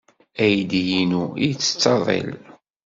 Aydi-inu yettett aḍil.